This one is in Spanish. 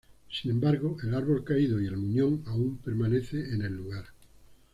Sin embargo el árbol caído y el muñón aún permanece en el lugar.